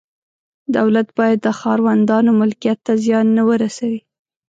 دولت باید د ښاروندانو ملکیت ته زیان نه ورسوي.